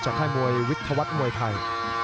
จากแค่มวยวิทยาวัฒน์มวยไทย